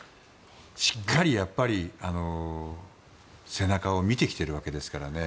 しっかり背中を見てきているわけですからね。